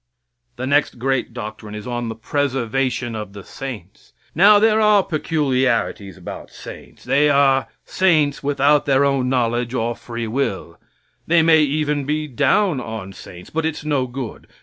The next great doctrine is on the preservation of the saints. Now, there are peculiarities about saints. They are saints without their own knowledge or free will; they may even be down on saints, but its no good.